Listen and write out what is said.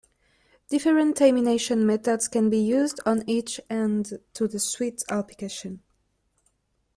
Different termination methods can be used on each end to suit the application.